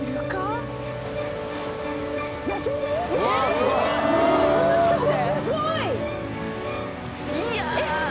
すごいね。